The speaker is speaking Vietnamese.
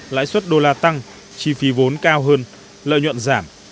lãi suất đô la tăng chi phí vốn cao hơn lợi nhuận giảm